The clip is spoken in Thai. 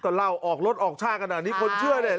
ก็เล่าออกรถออกชาติขนาดนี้คนเชื่อเนี่ย